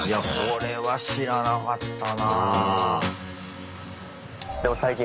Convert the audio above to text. これは知らなかったなあ。